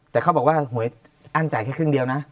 แต่เขาบอกว่าหวยอั้นจ่ายแค่ครึ่งเดียวนะ